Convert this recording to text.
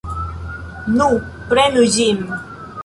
Nu, prenu ĝin!